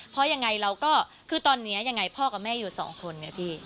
เพราะยังไงเราก็คือตอนนี้ยังไงพ่อกับแม่อยู่สองคนเนี่ยพี่